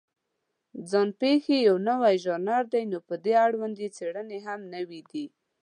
ځان پېښې یو نوی ژانر دی، نو په اړوند یې څېړنې هم نوې دي.